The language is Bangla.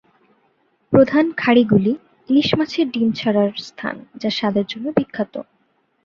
প্রধান খাড়িগুলি ইলিশ মাছের ডিম ছাড়ার স্থান, যা স্বাদের জন্য বিখ্যাত।